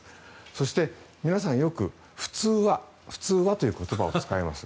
そして、皆さんよく普通は、普通はという言葉を使います。